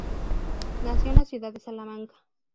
Nació en la ciudad de Salamanca.